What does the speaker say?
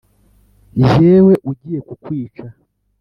jyewe ugiye kukwica!»